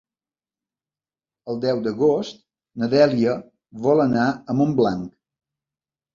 El deu d'agost na Dèlia vol anar a Montblanc.